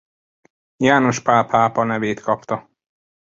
János Pál pápa nevét kapta.